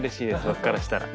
僕からしたら。